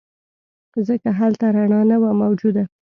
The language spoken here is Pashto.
ځکه هلته رڼا نه وه موجوده.